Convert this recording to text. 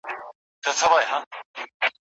یوه ورځ پاچا وو غلی ورغلی